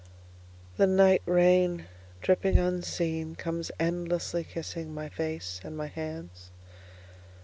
THE NIGHT rain, dripping unseen, Comes endlessly kissing my face and my hands.